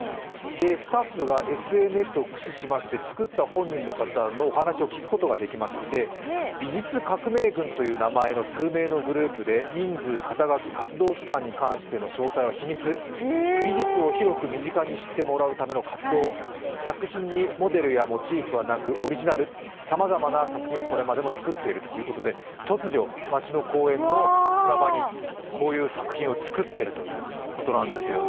スタッフがＳＮＳを駆使しまして作った方にお話を聞くことができまして美術革命軍という名前の数名のグループで人数、肩書、活動期間に関しての詳細は秘密、美術を広く知ってもらうための活動、作品にモデルやモチーフはなくオリジナル、さまざまな作品をこれまでも作っているということで突如、街の公園の砂場にこういう作品を作っているということなんですね。